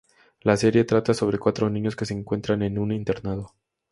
La serie trata sobre cuatro niños que se encuentran en un internado.